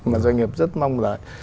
mà doanh nghiệp rất mong lợi